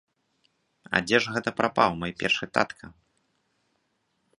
Але дзе ж гэта прапаў мой першы татка?